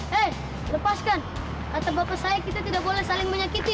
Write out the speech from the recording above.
hei lepaskan kata bapak saya kita tidak boleh saling menyakiti